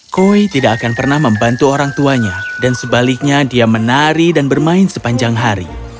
koi tidak akan pernah membantu orang tuanya dan sebaliknya dia menari dan bermain sepanjang hari